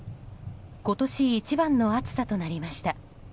今年一番の暑さとなりました。